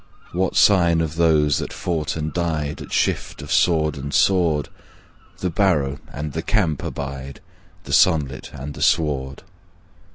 What sign of those that fought and died At shift of sword and sword? The barrow and the camp abide, The sunlight and the sward.